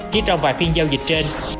chỉ trong vài phiên giao dịch trên